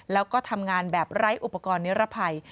แล้วก็ทำงานแบบไร้อุปกรณ์นิรภัย